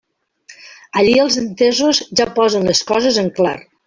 Allí els entesos ja posen les coses en clar.